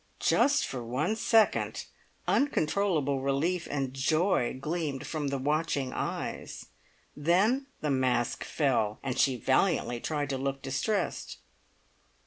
Just for one second, uncontrollable relief and joy gleamed from the watching eyes, then the mask fell, and she valiantly tried to look distressed.